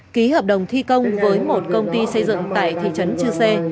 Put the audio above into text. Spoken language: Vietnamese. ký hợp đồng thi công với một công ty xây dựng tại thị trấn chư sê